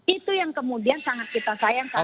itu yang kemudian sangat kita sayangkan